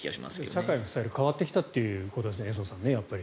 社会のスタイルが変わってきたということですね。